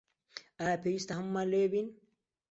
ئایا پێویستە هەموومان لەوێ بین؟